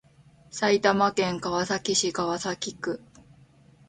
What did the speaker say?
埼玉県川崎市川崎区